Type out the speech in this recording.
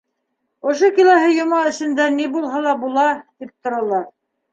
Ошо киләһе йома эсендә ни булһа ла була, тип торалар.